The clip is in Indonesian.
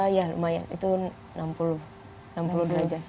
ya lumayan itu enam puluh derajat